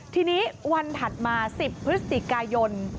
ทีนี้วันถัดมา๑๐พฤศจิกายน